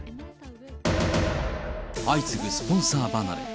相次ぐスポンサー離れ。